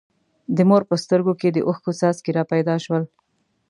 د مور په سترګو کې د اوښکو څاڅکي را پیدا شول.